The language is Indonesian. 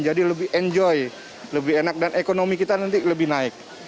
jadi lebih enjoy lebih enak dan ekonomi kita nanti lebih naik